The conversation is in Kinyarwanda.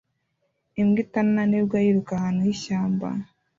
Imbwa itananirwa yiruka ahantu h'ishyamba